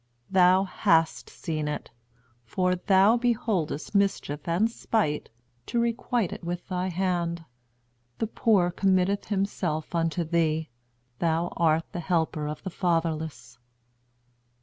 Thou hast seen it; for thou beholdest mischief and spite, to requite it with thy hand. The poor committeth himself unto thee; thou art the helper of the fatherless.